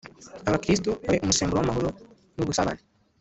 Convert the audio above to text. abakristu babe umusemburo w’amahoro n’ubusabane